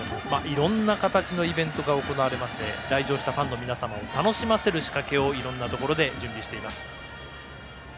いろんな形のイベントが行われまして来場したファンの皆様を楽しませる仕掛けをいろんなところで準備しています。